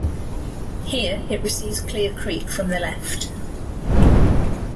Here it receives Clear Creek from the left.